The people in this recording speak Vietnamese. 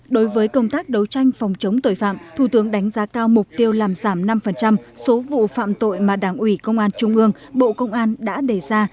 đối với công tác đấu tranh phòng chống tội phạm thủ tướng đánh giá cao mục tiêu làm giảm năm số vụ phạm tội mà đảng ủy công an trung ương bộ công an đã đề ra